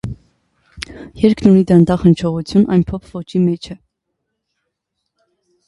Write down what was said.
Երգն ունի դանդաղ հնչողություն, այն փոփ ոճի մեջ է։